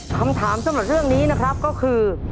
คำถามสำหรับเรื่องนี้นะครับก็คือ